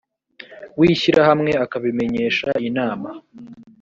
w ishyirahamwe akabimenyesha inama